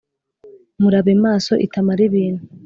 Murabe maso itamara ibintu!